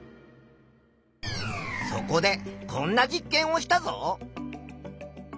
そこでこんな実験をしたぞ。